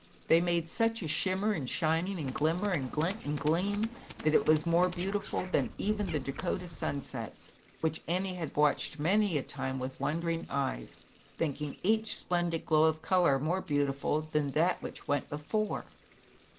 They made such a shimmer and shining, and glimmer d glint and gleam that it was more D ZAUBERLINDA, THE WISE WITCH. beautiful than even the Dakota sunsets, which Annie had watched many a time, with wondering eyes, thinking each splendid glow of color more beautiful than that which went before.